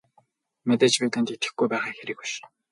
Мэдээж би танд итгэхгүй байгаа хэрэг биш.